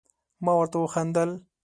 ما ورته وخندل ،